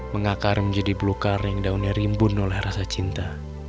mengakar menjadi belukar yang daunnya rimbun oleh rasa cinta